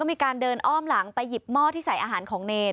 มีการเดินอ้อมหลังไปหยิบหม้อที่ใส่อาหารของเนร